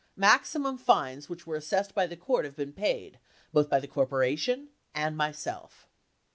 Maximum fines which were assessed by the court have been paid, both by the cor poration and myself.